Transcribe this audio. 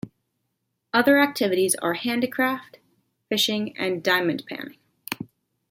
Other activities are handicraft, fishing, and diamond panning.